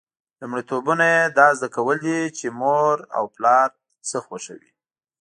لومړیتوبونه یې دا زده کول دي چې مور او پلار څه خوښوي.